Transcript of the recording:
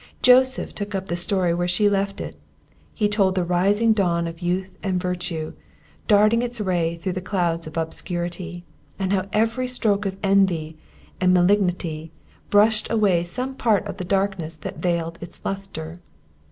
Joseph took up the story where she left it: he told the rising dawn of youth and virtue, darting its ray through the clouds of obscurity, and how every stroke of envy and malignity brushed away some part of the darkness that veiled its lustre.